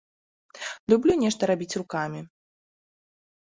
Люблю нешта рабіць рукамі.